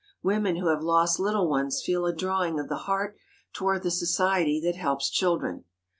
Women who have lost little ones feel a drawing of the heart toward the society that helps children.